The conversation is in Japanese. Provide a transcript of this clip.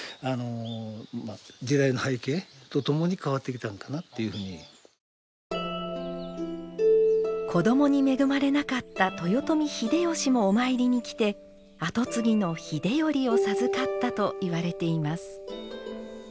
みくまりから徐々に転用されて子どもに恵まれなかった豊臣秀吉もお参りに来て跡継ぎの秀頼を授かったといわれています。